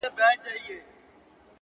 خداى دي ساته له بــېـلــتــــونـــــه.!